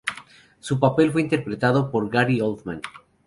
Su papel fue interpretado por Gary Oldman.